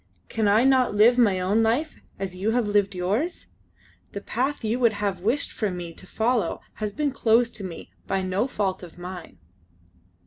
"Can I not live my own life as you have lived yours? The path you would have wished me to follow has been closed to me by no fault of mine."